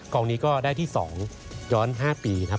องนี้ก็ได้ที่๒ย้อน๕ปีครับ